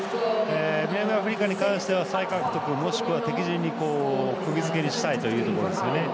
南アフリカに関しては再獲得、もしくは敵陣にくぎ付けにしたいというところですよね。